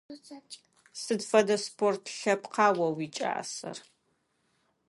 Сыд фэдэ спорт лъэпкъа о уикӀасэр?